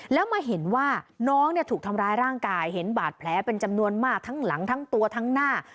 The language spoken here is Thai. แล้วมาเห็นว่าน้องเนี่ยถูกทำร้ายร่างกายเห็นบาดแผลเป็นจำนวนมากทั้งหลังทั้งตัวทั้งหน้า